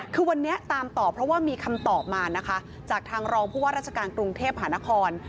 คือวันนี้ตามต่อเพราะว่ามีคำตอบมานะคะจากทางรองผู้ว่าราชการกรุงเทพหานคร